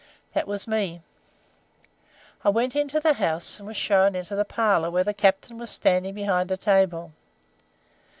That was me. "I went into the house, and was shown into the parlour, where the captain was standing behind a table.